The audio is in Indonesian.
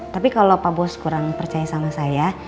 tapi kalau pak bos kurang percaya sama saya